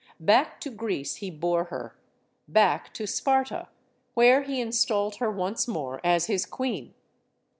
Back to Greece he bore her; back to Sparta, where he installed her once more as his queen.